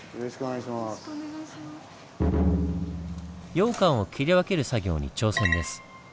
ようかんを切り分ける作業に挑戦です。